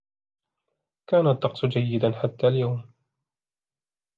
كان الطقس جيدا حتى اليوم.